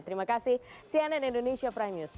terima kasih cnn indonesia prime news